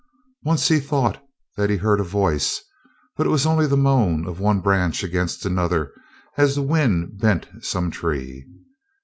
Once he thought that he heard a voice, but it was only the moan of one branch against another as the wind bent some tree.